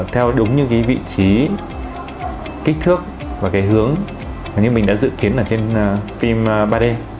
theo đúng như cái vị trí kích thước và cái hướng mà như mình đã dự kiến ở trên team ba d